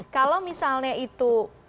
kalau misalnya itu